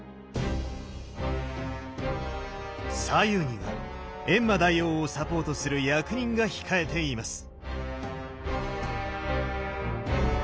左右には閻魔大王をサポートする役人が控えています。